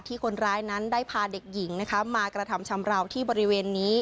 คนร้ายนั้นได้พาเด็กหญิงนะคะมากระทำชำราวที่บริเวณนี้